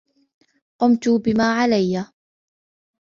قمت بما عليّ.